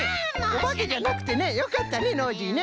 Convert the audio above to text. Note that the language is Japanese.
おばけじゃなくてねよかったねノージーね！